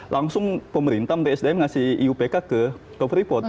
langsung pemerintah bsdm ngasih iupk ke peripot